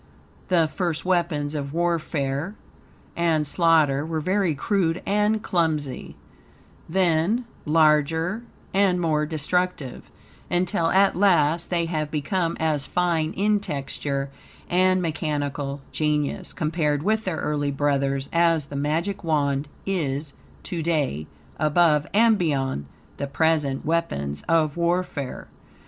The first weapons of warfare and slaughter were very crude and clumsy, then larger and more destructive, until at last they have become as fine in texture and mechanical genius, compared with their early brothers, as the Magic Wand is to day, above and beyond, the present weapons of warfare.